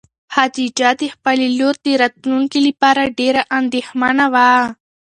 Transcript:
خدیجه د خپلې لور د راتلونکي لپاره ډېره اندېښمنه وه.